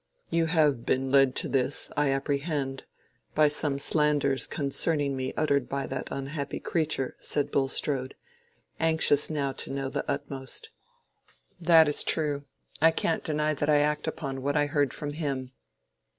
"You have been led to this, I apprehend, by some slanders concerning me uttered by that unhappy creature," said Bulstrode, anxious now to know the utmost. "That is true. I can't deny that I act upon what I heard from him."